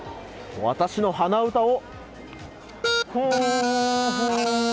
私の鼻歌を。